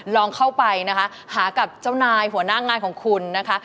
ลองเข้าไปนะคะหากับเจ้านายหัวหน้างานของคุณนะคะ